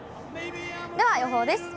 では、予報です。